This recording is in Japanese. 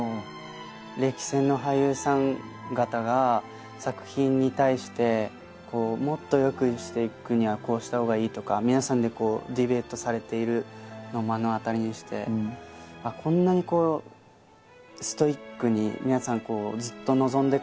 歴戦の俳優さん方が作品に対してもっと良くしていくにはこうした方がいいとか皆さんでディベートされているの目の当たりにしてこんなにストイックに皆さんずっと臨んでこられたんだな